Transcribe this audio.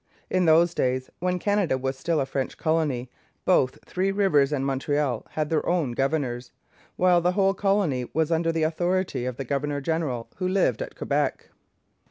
In those days, when Canada was still a French colony, both Three Rivers and Montreal had their own governors, while the whole colony was under the authority of the governor general, who lived at Quebec.